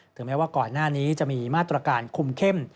แม้ว่าก่อนหน้านี้จะมีมาตรการคุมเข้ม